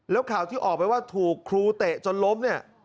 แล้วข่าวที่ออกไปว่าถูกครูเตะจนล้มเนี่ย